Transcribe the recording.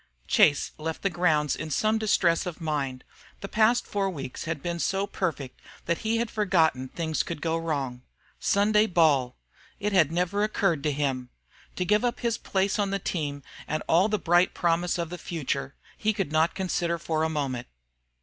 Chase left the gounds in some distress of mind. The past four weeks had been so perfect that he had forgotten things could go wrong. Sunday ball! It had never even occurred to him. To give up his place on the team and all the bright promise of the future he could not consider for a moment.